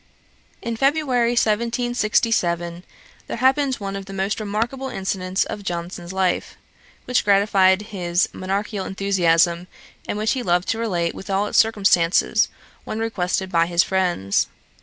In February, 1767, there happened one of the most remarkable incidents of Johnson's life, which gratified his monarchical enthusiasm, and which he loved to relate with all its circumstances, when requested by his friends.